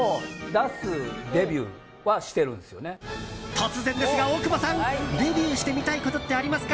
突然ですが、大久保さんデビューしてみたいことってありますか？